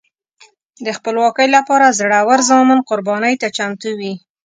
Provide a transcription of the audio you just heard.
د خپلواکۍ لپاره زړور زامن قربانۍ ته چمتو وي.